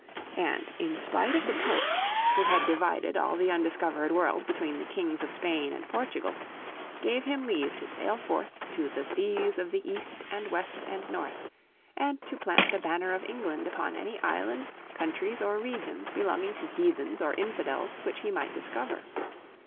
And in spite of the Pope who had divided all the undiscovered world between the Kings of Spain and Portugal gave him leave to sail forth to "the seas of the east and west and north" and to plant the banner of England upon any islands, countries or regions belonging to heathens or infidels which he might discover.